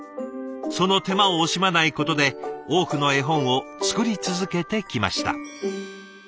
その手間を惜しまないことで多くの絵本を作り続けてきました。